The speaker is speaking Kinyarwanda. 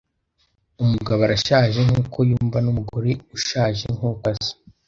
Umugabo arashaje nkuko yumva, numugore ushaje nkuko asa.